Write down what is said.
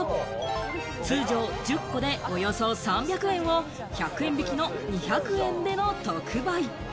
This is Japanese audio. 通常１０個でおよそ３００円を１００円引きの２００円での特売。